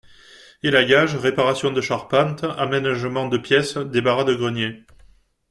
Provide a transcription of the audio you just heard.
élagage, réparation de charpente, aménagement de pièce, débarras de grenier.